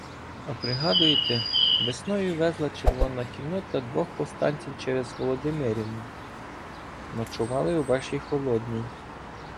— А пригадуєте, весною везла червона кіннота двох повстанців через Володимирівну? Ночували у вашій холодній.